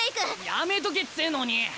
やめとけっつうのに！